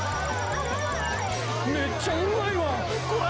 めっちゃうまいわ！